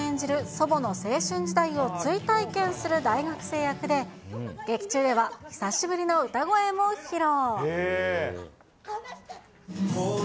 祖母の青春時代を追体験する大学生役で、劇中では久しぶりの歌声も披露。